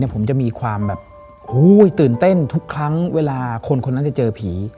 ผมจะมีความแบบตื่นเต้นทุกครั้งเวลาคนคนนั้นจะเจอผี